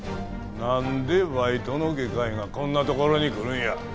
なんでバイトの外科医がこんなところに来るんや？